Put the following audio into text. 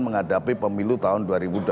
menghadapi pemilu tahun dua ribu dua puluh